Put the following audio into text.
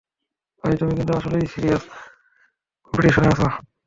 ভাই, তুমি কিন্তু আসলেই সিরিয়াস কম্পিটিশনে আছো!